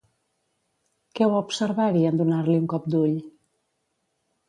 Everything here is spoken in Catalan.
Què va observar-hi en donar-li un cop d'ull?